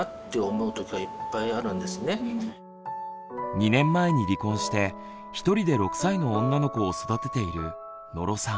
２年前に離婚してひとりで６歳の女の子を育てている野呂さん。